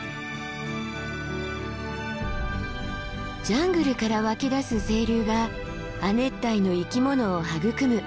ジャングルから湧き出す清流が亜熱帯の生き物を育む